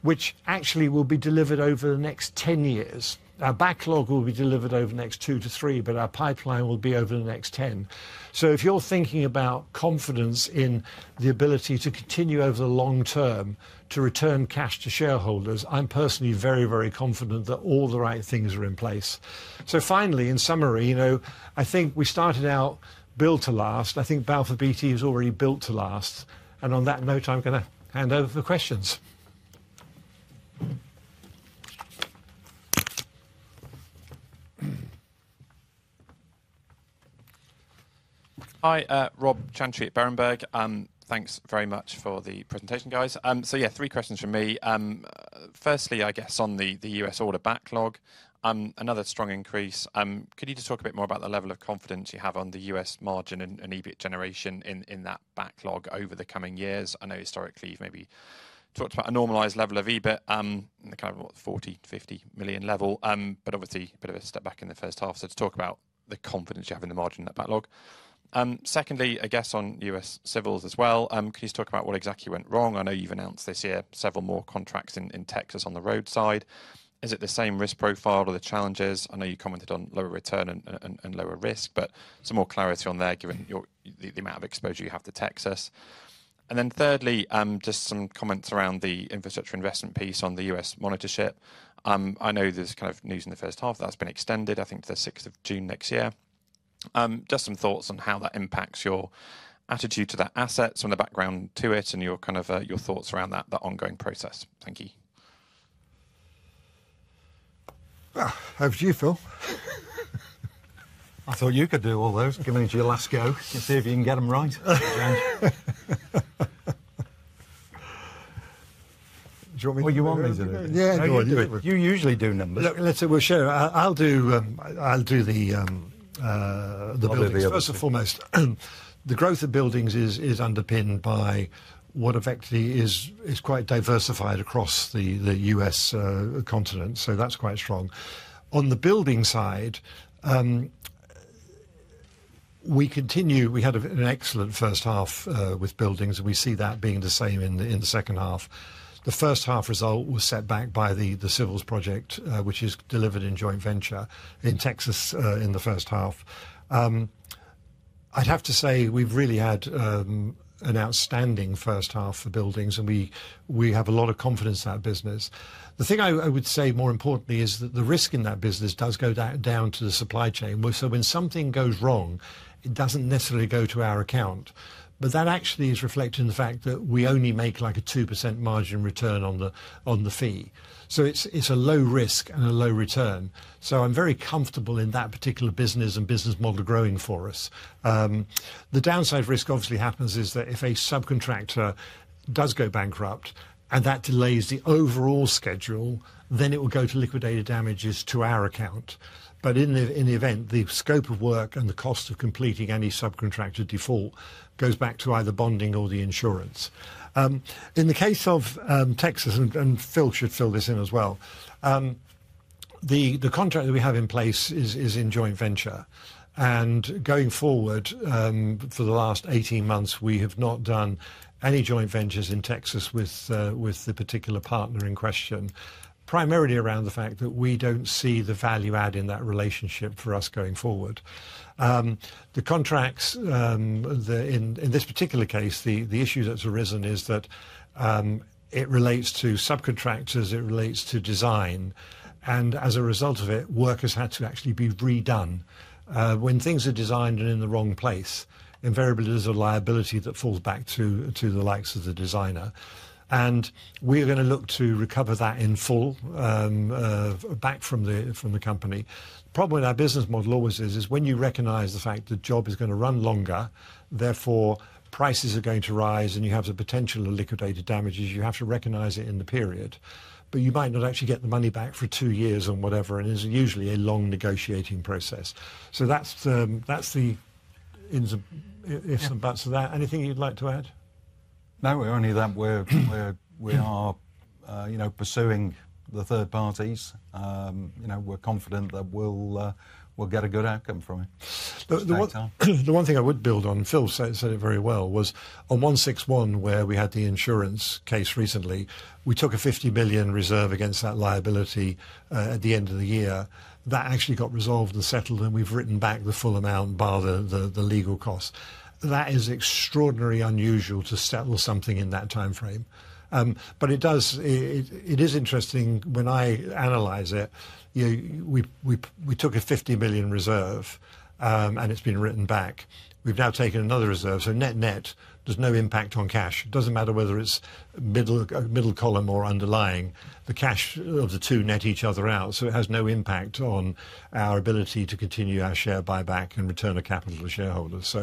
which actually will be delivered over the next 10 years. Our backlog will be delivered over the next two to three, but our pipeline will be over the next 10. If you're thinking about confidence in the ability to continue over the long term to return cash to shareholders, I'm personally very, very confident that all the right things are in place. Finally, in summary, you know, I think we started out Build to Last. I think Balfour Beatty has already Built to Last. On that note, I'm going to hand over for questions. Hi, Robert Chantry at Berenberg. Thanks very much for the presentation, guys. Three questions from me. Firstly, on the U.S. order backlog, another strong increase. Could you just talk a bit more about the level of confidence you have on the U.S. margin and EBIT generation in that backlog over the coming years? I know historically you've maybe talked about a normalized level of EBIT, kind of what, $40 million-$50 million level, but obviously a bit of a step back in the first half. Talk about the confidence you have in the margin in that backlog. Secondly, on U.S. civils as well, could you just talk about what exactly went wrong? I know you've announced this year several more contracts in Texas on the roadside. Is it the same risk profile or the challenges? I know you commented on lower return and lower risk, but some more clarity on that given the amount of exposure you have to Texas. Thirdly, just some comments around the infrastructure investments piece on the U.S. military housing monitorship. I know there's news in the first half that's been extended, I think, to the 6th of June next year. Just some thoughts on how that impacts your attitude to that asset, some of the background to it, and your thoughts around that ongoing process. Thank you. I have a few, Phil. I thought you could do all those, giving it your last go to see if you can get them right. Join me too. You want me to do it. Yeah, do it. You usually do them. Listen, we'll share. I'll do the... First and foremost, the growth of buildings is underpinned by what effectively is quite diversified across the U.S. continent. That's quite strong. On the building side, we continue, we had an excellent first half with buildings, and we see that being the same in the second half. The first half result was set back by the civils project, which is delivered in joint venture in Texas in the first half. I'd have to say we've really had an outstanding first half for buildings, and we have a lot of confidence in that business. The thing I would say more importantly is that the risk in that business does go down to the supply chain. When something goes wrong, it doesn't necessarily go to our account, but that actually is reflected in the fact that we only make like a 2% margin return on the fee. It's a low risk and a low return. I'm very comfortable in that particular business and business model growing for us. The downside risk obviously happens is that if a subcontractor does go bankrupt and that delays the overall schedule, then it will go to liquidated damages to our account. In the event, the scope of work and the cost of completing any subcontractor default goes back to either bonding or the insurance. In the case of Texas, and Phil should fill this in as well, the contract that we have in place is in joint venture. Going forward, for the last 18 months, we have not done any joint ventures in Texas with the particular partner in question, primarily around the fact that we don't see the value add in that relationship for us going forward. The contracts, in this particular case, the issue that's arisen is that it relates to subcontractors, it relates to design, and as a result of it, workers had to actually be redone. When things are designed and in the wrong place, invariably there's a liability that falls back to the likes of the designer. We are going to look to recover that in full back from the company. The problem with our business model always is when you recognize the fact that the job is going to run longer, therefore prices are going to rise and you have the potential of liquidated damages, you have to recognize it in the period. You might not actually get the money back for two years on whatever, and it's usually a long negotiating process. That's the ifs and buts of that. Anything you'd like to add? No, we're only that we are, you know, pursuing the third parties. You know, we're confident that we'll get a good outcome from it. The one thing I would build on, Phil said it very well, was on 161, where we had the insurance case recently, we took a 50 million reserve against that liability at the end of the year. That actually got resolved and settled, and we've written back the full amount bar the legal costs. That is extraordinarily unusual to settle something in that timeframe. It is interesting when I analyze it. You know, we took a 50 million reserve, and it's been written back. We've now taken another reserve, so net-net, there's no impact on cash. It doesn't matter whether it's middle column or underlying. The cash of the two net each other out, so it has no impact on our ability to continue our share buyback and return of capital to shareholders.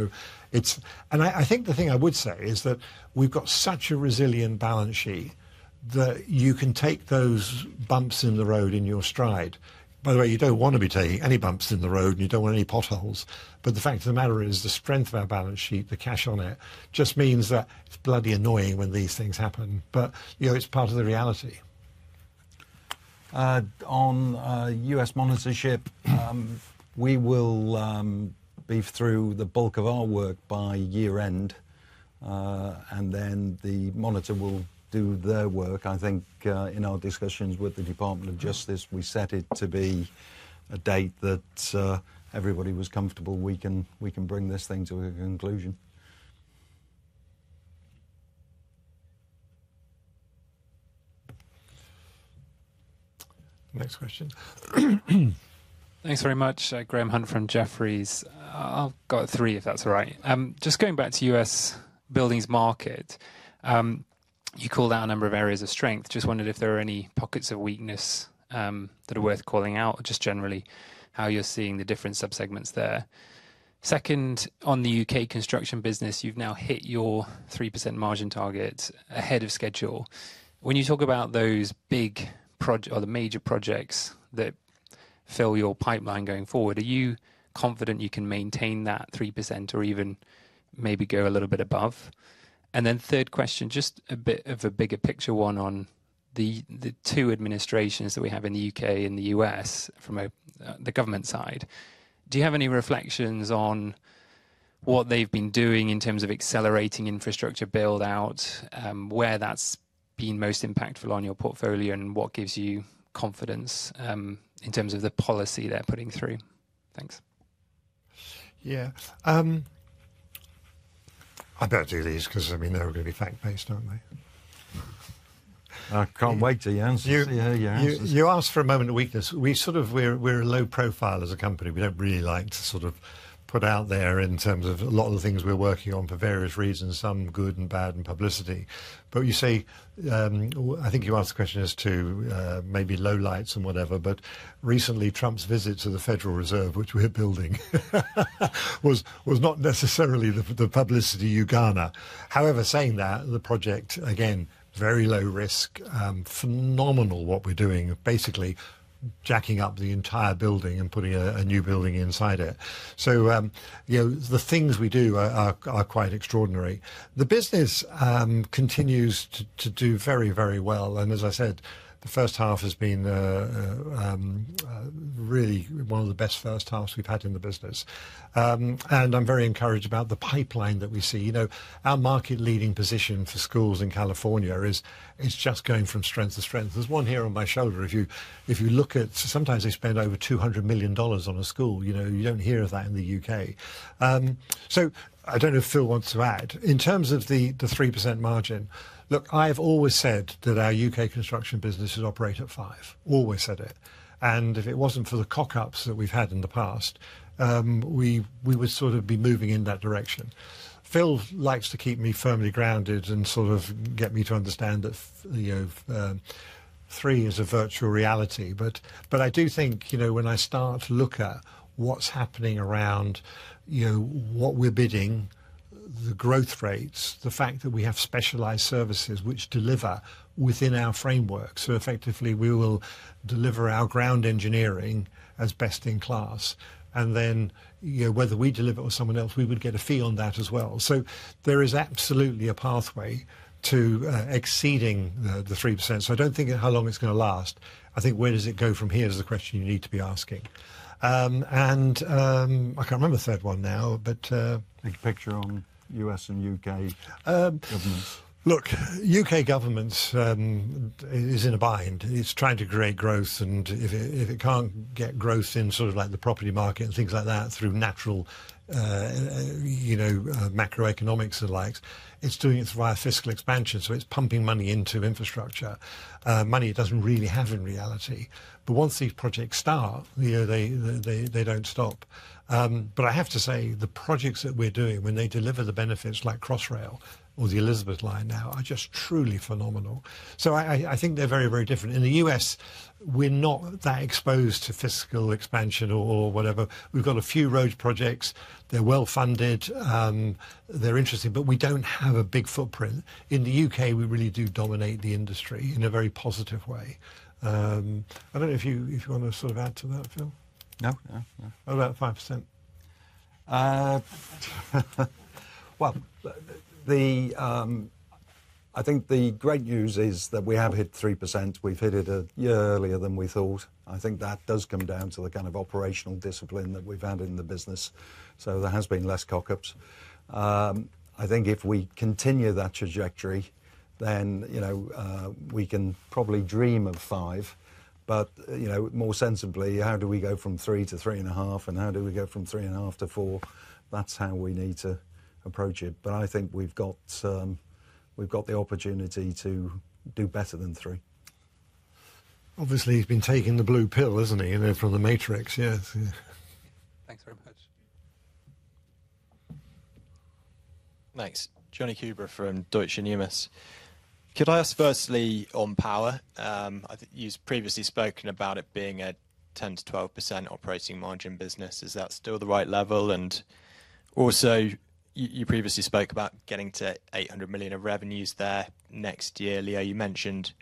I think the thing I would say is that we've got such a resilient balance sheet that you can take those bumps in the road in your stride. By the way, you don't want to be taking any bumps in the road, and you don't want any potholes. The fact of the matter is the strength of our balance sheet, the cash on it, just means that it's bloody annoying when these things happen. You know, it's part of the reality. On US military housing monitorship, we will be through the bulk of our work by year-end, and then the monitor will do their work. I think in our discussions with the Department of Justice, we set it to be a date that everybody was comfortable we can bring this thing to a conclusion. Next question. Thanks very much, Graham Hunt from Jefferies. I've got three, if that's all right. Just going back to the U.S. buildings market, you called out a number of areas of strength. Just wondered if there are any pockets of weakness that are worth calling out, or just generally how you're seeing the different subsegments there. Second, on the U.K. construction business, you've now hit your 3% margin target ahead of schedule. When you talk about those big projects or the major projects that fill your pipeline going forward, are you confident you can maintain that 3% or even maybe go a little bit above? Third question, just a bit of a bigger picture one on the two administrations that we have in the U.K. and the U.S. from the government side. Do you have any reflections on what they've been doing in terms of accelerating infrastructure build-out, where that's been most impactful on your portfolio, and what gives you confidence in terms of the policy they're putting through? Thanks. Yeah. I better do these because they're all going to be fact-based, aren't they? I can't wait to answer you. You asked for a moment of weakness. We're a low profile as a company. We don't really like to put out there in terms of a lot of the things we're working on for various reasons, some good and bad and publicity. I think you asked the question as to maybe low lights and whatever, but recently Trump's visit to the Federal Reserve, which we're building, was not necessarily the publicity you garner. However, saying that, the project, again, very low risk, phenomenal what we're doing, basically jacking up the entire building and putting a new building inside it. The things we do are quite extraordinary. The business continues to do very, very well, and as I said, the first half has been really one of the best first halves we've had in the business. I'm very encouraged about the pipeline that we see. Our market leading position for schools in California is just going from strength to strength. There's one here on my shoulder. If you look at, sometimes they spend over $200 million on a school. You don't hear of that in the U.K. I don't know if Phil wants to add. In terms of the 3% margin, look, I've always said that our U.K. construction businesses operate at five. Always said it. If it wasn't for the cock-ups that we've had in the past, we would be moving in that direction. Phil likes to keep me firmly grounded and get me to understand that three is a virtual reality. I do think, when I start to look at what's happening around, what we're bidding, the growth rates, the fact that we have specialized services which deliver within our framework. Effectively, we will deliver our ground engineering as best in class. Whether we deliver it or someone else, we would get a fee on that as well. There is absolutely a pathway to exceeding the 3%. I don't think how long it's going to last. I think where does it go from here is the question you need to be asking. I can't remember the third one now, but. Big picture on U.S. and U.K. governments. Look, U.K. government is in a bind. It's trying to create growth. If it can't get growth in the property market and things like that through natural macroeconomics and the likes, it's doing it via fiscal expansion. It's pumping money into infrastructure, money it doesn't really have in reality. Once these projects start, they don't stop. I have to say the projects that we're doing, when they deliver the benefits like Crossrail or the Elizabeth Line now, are just truly phenomenal. I think they're very, very different. In the U.S., we're not that exposed to fiscal expansion or whatever. We've got a few road projects. They're well funded. They're interesting, but we don't have a big footprint. In the U.K., we really do dominate the industry in a very positive way. I don't know if you want to add to that, Phil? No, no, no. What about 5%? I think the great news is that we have hit 3%. We've hit it earlier than we thought. I think that does come down to the kind of operational discipline that we've had in the business. There has been less cock-ups. I think if we continue that trajectory, then, you know, we can probably dream of five. More sensibly, how do we go from three to three and a half, and how do we go from three and a half to four? That's how we need to approach it. I think we've got the opportunity to do better than three. Obviously, he's been taking the blue pill, isn't he? From The Matrix. Yeah. Thanks very much. Nice. Jonny Coubrough from Deutsche Numis. Could I ask firstly on power? You've previously spoken about it being a 10%-12% operating margin business. Is that still the right level? You previously spoke about getting to 800 million of revenues there next year. Leo, you mentioned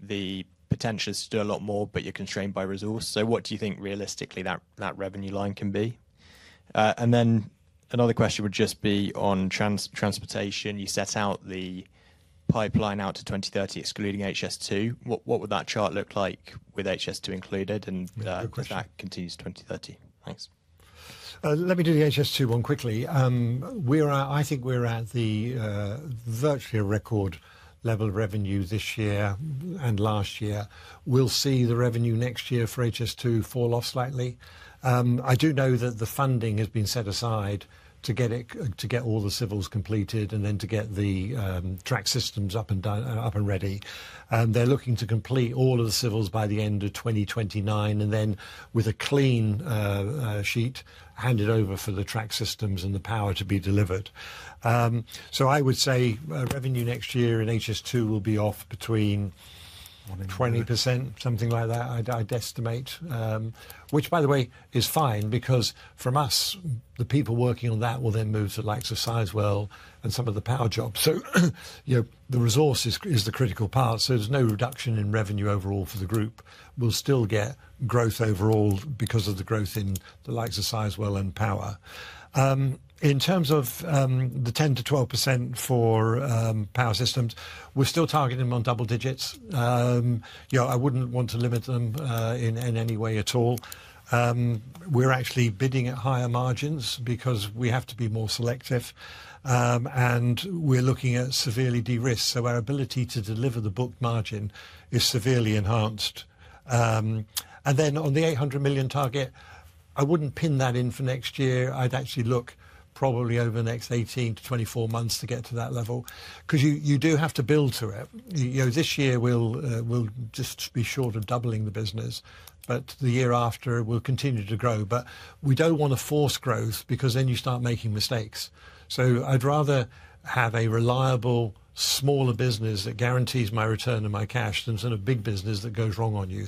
the potential is still a lot more, but you're constrained by resource. What do you think realistically that revenue line can be? Another question would just be on transportation. You set out the pipeline out to 2030, excluding HS2. What would that chart look like with HS2 included and if that continues to 2030? Thanks. Let me do the HS2 one quickly. I think we're at virtually a record level of revenue this year and last year. We'll see the revenue next year for HS2 fall off slightly. I do know that the funding has been set aside to get all the civils completed and then to get the track systems up and ready. They're looking to complete all of the civils by the end of 2029 and then with a clean sheet handed over for the track systems and the power to be delivered. I would say revenue next year in HS2 will be off between 20%, something like that, I'd estimate. Which, by the way, is fine because from us, the people working on that will then move to the likes of Sizewell and some of the power jobs. The resource is a critical part. There's no reduction in revenue overall for the group. We'll still get growth overall because of the growth in the likes of Sizewell and power. In terms of the 10%-12% for power systems, we're still targeting them on double digits. I wouldn't want to limit them in any way at all. We're actually bidding at higher margins because we have to be more selective. We're looking at severely de-risked. Our ability to deliver the book margin is severely enhanced. On the $800 million target, I wouldn't pin that in for next year. I'd actually look probably over the next 18-24 months to get to that level. You do have to build to it. This year we'll just be short of doubling the business, but the year after we'll continue to grow. We don't want to force growth because then you start making mistakes. I'd rather have a reliable, smaller business that guarantees my return and my cash than a big business that goes wrong on you.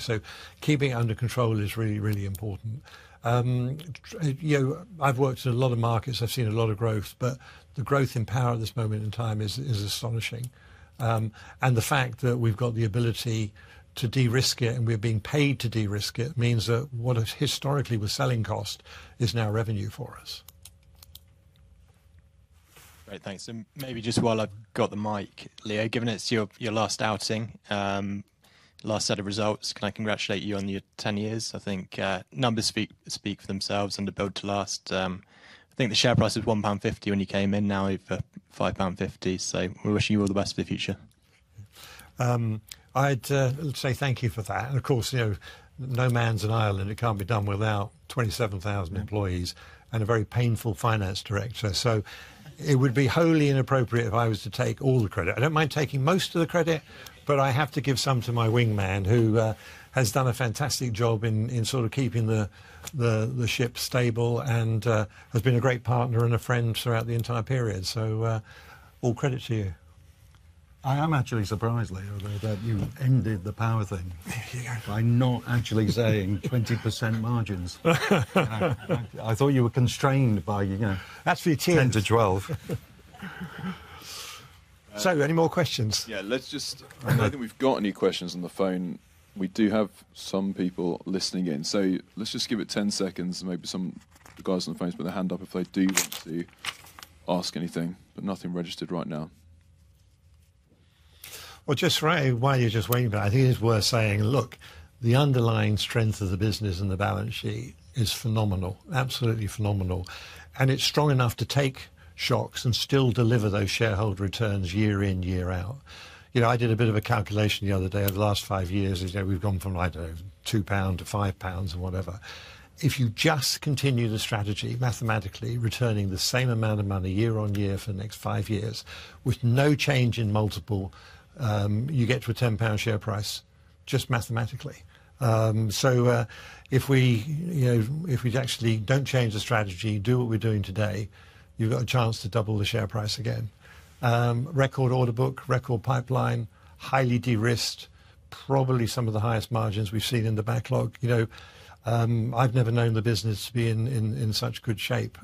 Keeping it under control is really, really important. I've worked in a lot of markets. I've seen a lot of growth, but the growth in power at this moment in time is astonishing. The fact that we've got the ability to de-risk it and we're being paid to de-risk it means that what historically was selling cost is now revenue for us. Great, thanks. Maybe just while I've got the mic, Leo, given it's your last outing, last set of results, can I congratulate you on your 10 years? I think numbers speak for themselves under Build to Last. I think the share price was 1.50 pound when you came in, now for 5.50 pound. We're wishing you all the best for the future. I'd say thank you for that. Of course, you know, no man's an island. It can't be done without 27,000 employees and a very painful Finance Director. It would be wholly inappropriate if I was to take all the credit. I don't mind taking most of the credit, but I have to give some to my wingman who has done a fantastic job in sort of keeping the ship stable and has been a great partner and a friend throughout the entire period. All credit to you. I am actually surprised, Leo, that you ended the power thing by not actually saying 20% margins. I thought you were constrained by, you know, actually 10%-12%. there any more questions? I don't think we've got any questions on the phone. We do have some people listening in. Let's just give it 10 seconds and maybe some of the guys on the phone put their hand up if they do want to ask anything, but nothing registered right now. I think it's worth saying, look, the underlying strength of the business and the balance sheet is phenomenal, absolutely phenomenal. It's strong enough to take shocks and still deliver those shareholder returns year in, year out. I did a bit of a calculation the other day over the last five years. We've gone from, I don't know, 2 pound to 5 pounds and whatever. If you just continue the strategy mathematically, returning the same amount of money year on year for the next five years with no change in multiple, you get to a 10 pound share price, just mathematically. If we actually don't change the strategy, do what we're doing today, you've got a chance to double the share price again. Record order book, record pipeline, highly de-risked, probably some of the highest margins we've seen in the backlog. I've never known the business to be in such good shape.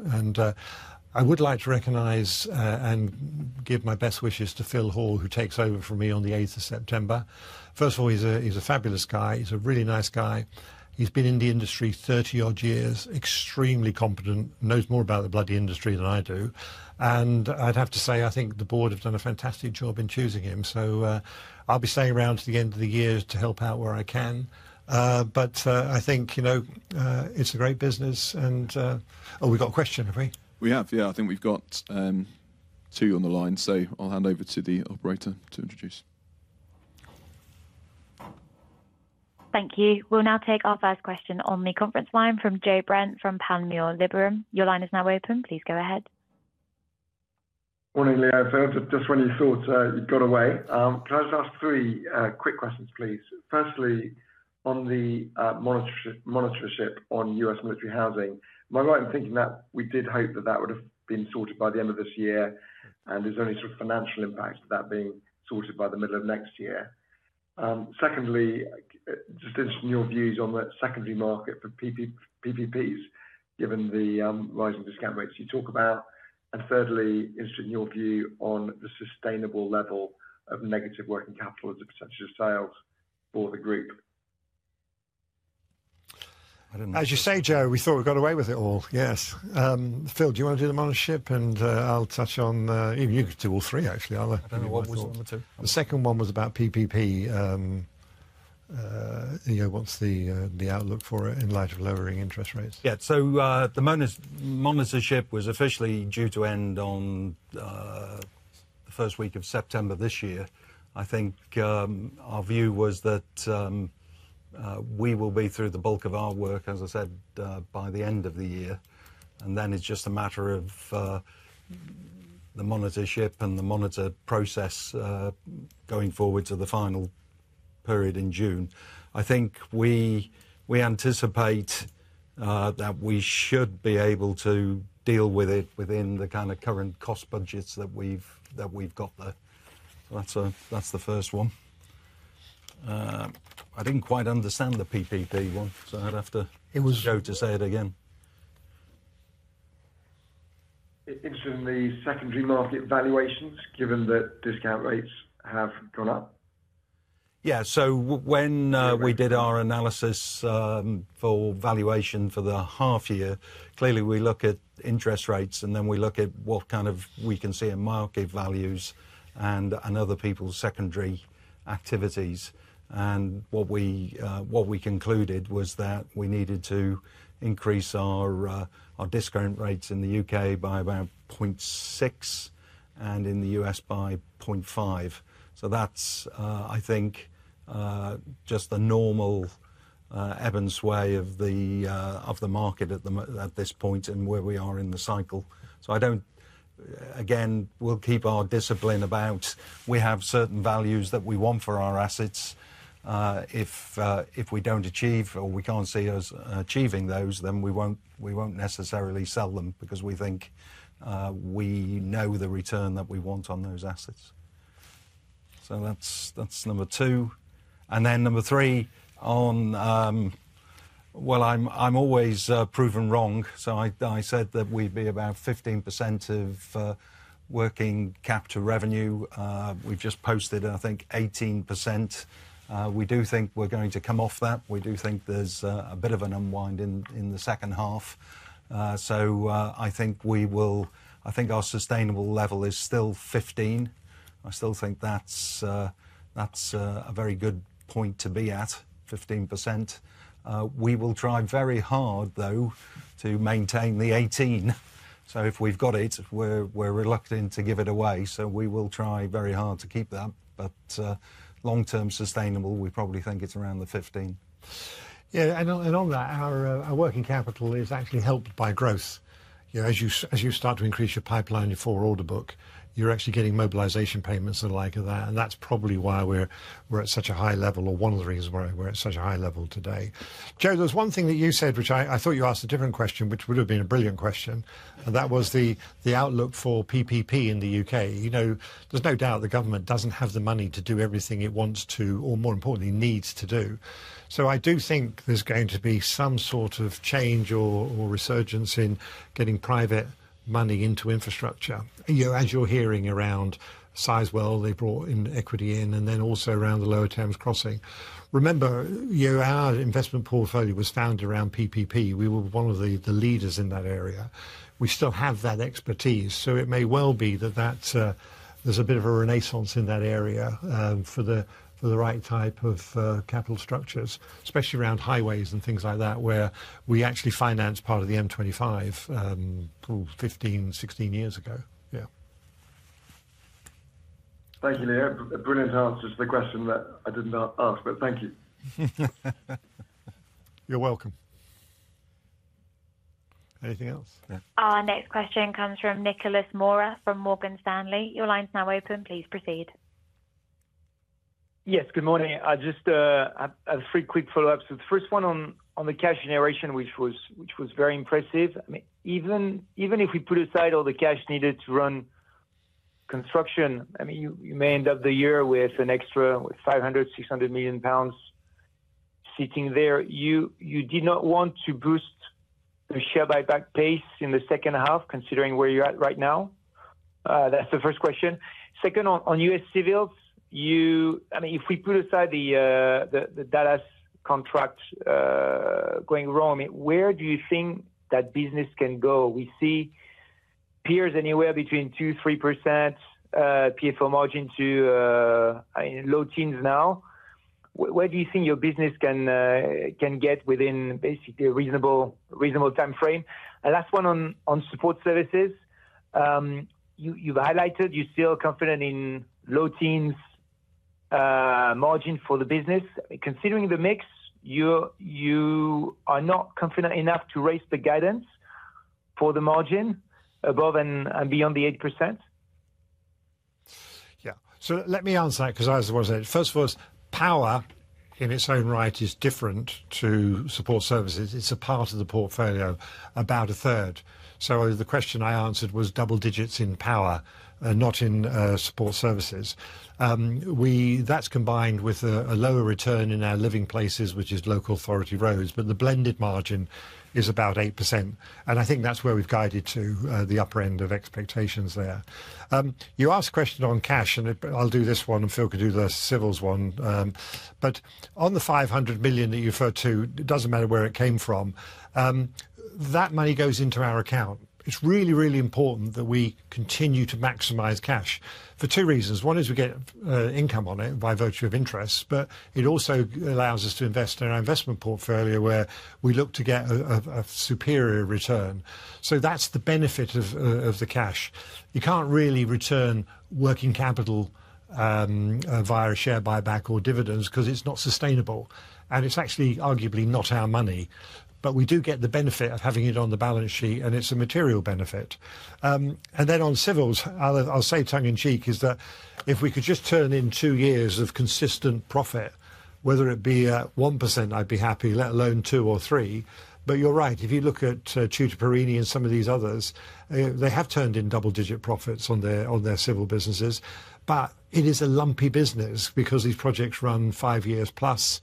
I would like to recognize and give my best wishes to Phil Hall, who takes over from me on the 8th of September. First of all, he's a fabulous guy. He's a really nice guy. He's been in the industry 30-odd years, extremely competent, knows more about the bloody industry than I do. I'd have to say, I think the board has done a fantastic job in choosing him. I'll be staying around to the end of the year to help out where I can. I think it's a great business. Oh, we've got a question, have we? We have, yeah. I think we've got two on the line. I'll hand over to the operator to introduce. Thank you. We'll now take our first question on the conference line from Joe Brent from Panmure Liberum. Your line is now open. Please go ahead. Morning, Leo. Just when you thought you'd got away, can I just ask three quick questions, please? Firstly, on the monitorship on U.S. military housing, am I right in thinking that we did hope that that would have been sorted by the end of this year? There's only sort of financial impact to that being sorted by the middle of next year. Secondly, just interested in your views on the secondary market for PPPs, given the rising discount rates you talk about. Thirdly, interested in your view on the sustainable level of negative working capital and the potential of sales for the group. As you say, Joe, we thought we got away with it all. Yes. Phil, do you want to do the U.S. military housing monitorship? I'll touch on, you could do all three, actually. I don't know what was number two. The second one was about PPP. You know, what's the outlook for it in light of lowering interest rates? Yeah, the monitorship was officially due to end on the first week of September this year. I think our view was that we will be through the bulk of our work, as I said, by the end of the year. It's just a matter of the monitorship and the monitor process going forward to the final period in June. I think we anticipate that we should be able to deal with it within the current cost budgets that we've got there. That's the first one. I didn't quite understand the PPP one, so I'd have to ask to say it again. Interested in the secondary market valuations, given that discount rates have gone up? Yeah, so when we did our analysis for valuation for the half year, clearly we look at interest rates, and then we look at what kind of we can see in market values and other people's secondary activities. What we concluded was that we needed to increase our discount rates in the U.K. by about 0.6% and in the U.S. by 0.5%. That's, I think, just the normal ebb and sway of the market at this point and where we are in the cycle. I don't, again, we'll keep our discipline about we have certain values that we want for our assets. If we don't achieve or we can't see us achieving those, then we won't necessarily sell them because we think we know the return that we want on those assets. That's number two. Number three, I'm always proven wrong. I said that we'd be about 15% of working cap to revenue. We've just posted, I think, 18%. We do think we're going to come off that. We do think there's a bit of an unwind in the second half. I think we will, I think our sustainable level is still 15%. I still think that's a very good point to be at, 15%. We will try very hard, though, to maintain the 18%. If we've got it, we're reluctant to give it away. We will try very hard to keep that. Long-term sustainable, we probably think it's around the 15%. Yeah, and on that, our working capital is actually helped by growth. As you start to increase your pipeline and your order book, you're actually getting mobilization payments and the like of that. That's probably why we're at such a high level, or one of the reasons why we're at such a high level today. Joe, there was one thing that you said, which I thought you asked a different question, which would have been a brilliant question. That was the outlook for PPP in the U.K. There's no doubt the government doesn't have the money to do everything it wants to, or more importantly, needs to do. I do think there's going to be some sort of change or resurgence in getting private money into infrastructure. As you're hearing around Sizewell C, they brought in equity in, and then also around the Lower Thames Crossing. Remember, our infrastructure investments portfolio was founded around PPP. We were one of the leaders in that area. We still have that expertise. It may well be that there's a bit of a renaissance in that area for the right type of capital structures, especially around highways and things like that, where we actually financed part of the M25, call it 15, 16 years ago. Yeah. Thank you, Leo. A brilliant answer to the question that I did not ask, but thank you. You're welcome. Anything else? Our next question comes from Nicholas Mora from Morgan Stanley. Your line's now open. Please proceed. Yes, good morning. I just have three quick follow-ups. The first one on the cash generation, which was very impressive. Even if we put aside all the cash needed to run construction, you may end up the year with an extra 500 million, 600 million pounds sitting there. You did not want to boost the share buyback pace in the second half, considering where you're at right now. That's the first question. Second, on U.S. civils, if we put aside the Dallas contract going wrong, where do you think that business can go? We see peers anywhere between 2%, 3% PFO margin to low teens now. Where do you think your business can get within basically a reasonable timeframe? Last one on support services. You've highlighted you're still confident in low teens margin for the business. Considering the mix, you are not confident enough to raise the guidance for the margin above and beyond the 8%. Yeah, let me answer that because I was worried. First of all, power in its own right is different to support services. It's a part of the portfolio, about 1/3. The question I answered was double digits in power, not in support services. That's combined with a lower return in our living places, which is local authority roads, but the blended margin is about 8%. I think that's where we've guided to the upper end of expectations there. You asked a question on cash, and I'll do this one, and Phil could do the civils one. On the 500 million that you referred to, it doesn't matter where it came from. That money goes into our account. It's really, really important that we continue to maximize cash for two reasons. One is we get income on it by virtue of interest, but it also allows us to invest in our infrastructure investments portfolio where we look to get a superior return. That's the benefit of the cash. You can't really return working capital via a share buyback or dividends because it's not sustainable. It's actually arguably not our money. We do get the benefit of having it on the balance sheet, and it's a material benefit. On civils, I'll say tongue in cheek, if we could just turn in two years of consistent profit, whether it be 1%, I'd be happy, let alone 2% or 3%. You're right, if you look at Tutor Perini and some of these others, they have turned in double-digit profits on their civil businesses. It is a lumpy business because these projects run five years plus.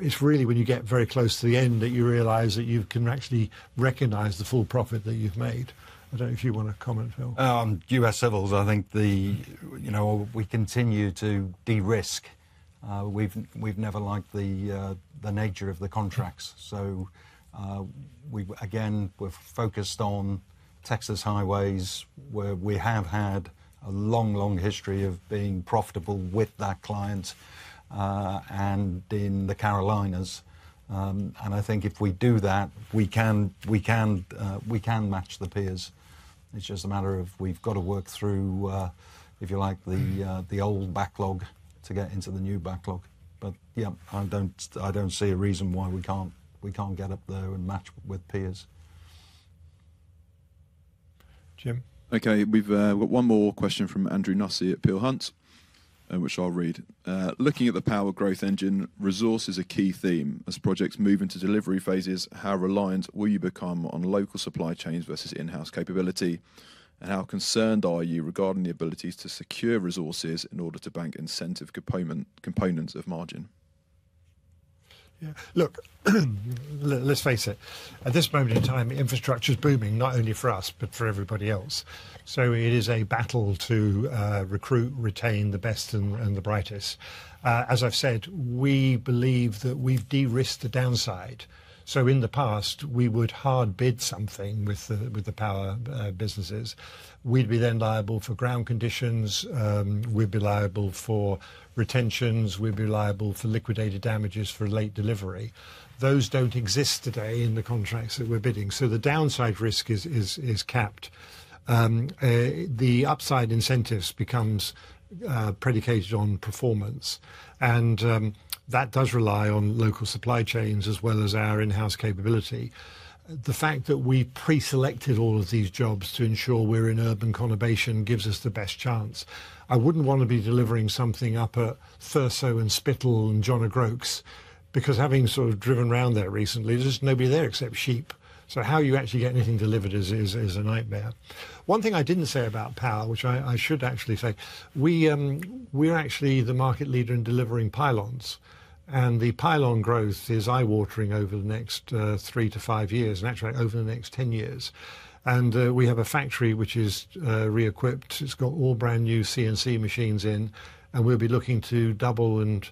It's really when you get very close to the end that you realize that you can actually recognize the full profit that you've made. I don't know if you want to comment, Phil. On U.S. civils, I think we continue to de-risk. We've never liked the nature of the contracts. We're focused on Texas highways, where we have had a long, long history of being profitable with that client and in the Carolinas. I think if we do that, we can match the peers. It's just a matter of we've got to work through, if you like, the old backlog to get into the new backlog. Yeah, I don't see a reason why we can't get up there and match with peers. Jim. Okay, we've got one more question from Andrew Nussey at Peel Hunt, which I'll read. Looking at the power growth engine, resource is a key theme. As projects move into delivery phases, how reliant will you become on local supply chains versus in-house capability? How concerned are you regarding the abilities to secure resources in order to bank incentive components of margin? Yeah. Look, let's face it. At this moment in time, infrastructure is booming, not only for us, but for everybody else. It is a battle to recruit, retain the best and the brightest. As I've said, we believe that we've de-risked the downside. In the past, we would hard bid something with the power businesses. We'd be then liable for ground conditions. We'd be liable for retentions. We'd be liable for liquidated damages for late delivery. Those don't exist today in the contracts that we're bidding. The downside risk is capped. The upside incentives become predicated on performance. That does rely on local supply chains as well as our in-house capability. The fact that we pre-selected all of these jobs to ensure we're in urban conurbation gives us the best chance. I wouldn't want to be delivering something up at Thurso and Spittal and John O'Groats because having sort of driven around there recently, there's just nobody there except sheep. How you actually get anything delivered is a nightmare. One thing I didn't say about power, which I should actually say, we're actually the market leader in delivering pylons. The pylon growth is eye-watering over the next three to five years, and actually over the next 10 years. We have a factory which is re-equipped. It's got all brand new CNC machines in. We'll be looking to double and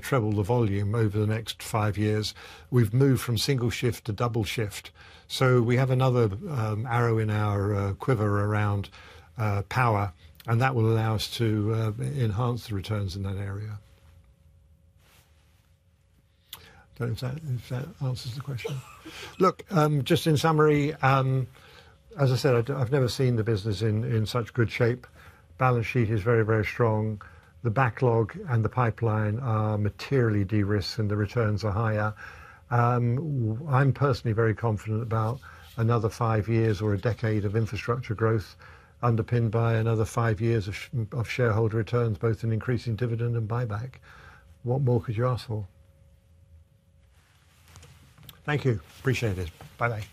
treble the volume over the next five years. We've moved from single shift to double shift. We have another arrow in our quiver around power. That will allow us to enhance the returns in that area. I don't know if that answers the question. Just in summary, as I said, I've never seen the business in such good shape. Balance sheet is very, very strong. The backlog and the pipeline are materially de-risked, and the returns are higher. I'm personally very confident about another five years or a decade of infrastructure growth underpinned by another five years of shareholder returns, both in increasing dividend and buyback. What more could you ask for? Thank you. Appreciate it. Bye-bye.